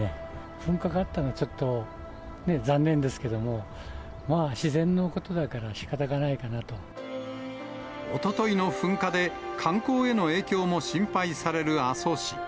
噴火があったのは、ちょっと残念ですけども、まあ自然のことだかおとといの噴火で、観光への影響も心配される阿蘇市。